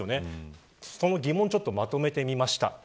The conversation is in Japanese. その疑問をまとめてみました。